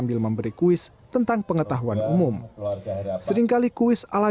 pembeli beli pegang gagal arissa